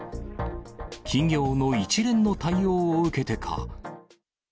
企業の一連の対応を受けてか。